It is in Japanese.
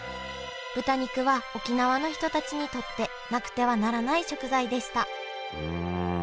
豚肉は沖縄の人たちにとってなくてはならない食材でしたうん。